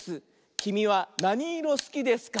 「きみはなにいろすきですか？